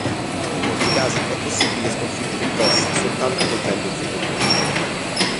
In molti casi è possibile sconfiggere il boss soltanto colpendo il suo punto debole.